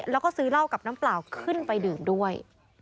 แล้วก็ซื้อเหล้ากับน้ำเปล่าขึ้นไปดื่มด้วย